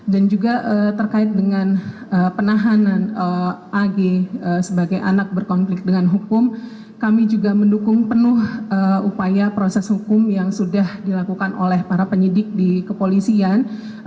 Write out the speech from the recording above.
dan juga terkait dengan penahanan ag sebagai anak berkonflik dengan hukum kami juga mendukung penuh upaya proses hukum yang sudah dilakukan oleh para penyidik di kepolisian